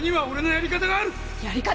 やり方？